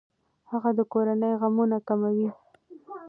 هغه د کورنۍ غمونه کموي.